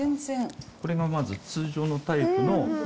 これがまず通常のタイプの。